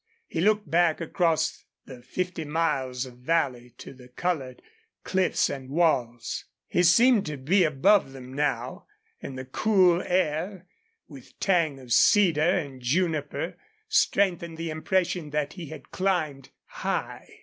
He looked back across the fifty miles of valley to the colored cliffs and walls. He seemed to be above them now, and the cool air, with tang of cedar and juniper, strengthened the impression that he had climbed high.